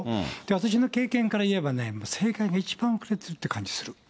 私の経験から言えばね、正解が一番遅れてるという気がする。